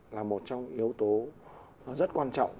là một trong yếu tố rất quan trọng